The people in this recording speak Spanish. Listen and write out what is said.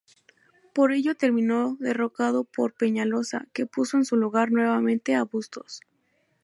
Por ello terminó derrocado por Peñaloza, que puso en su lugar nuevamente a Bustos.